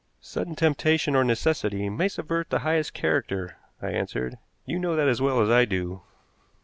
"Sudden temptation or necessity may subvert the highest character," I answered. "You know that as well as I do.